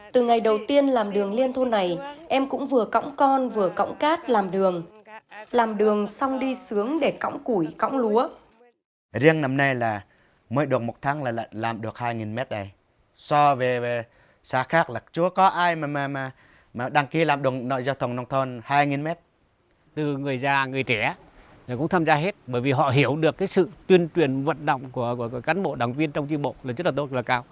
từ ngày đầu tiên làm đường liên thôn này em cũng vừa cọng con vừa cọng cát làm đường làm đường xong đi sướng để cọng củi cọng lúa